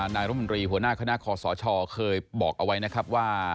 นายรมนตรีหัวหน้าคณะคอสชเคยบอกเอาไว้นะครับว่า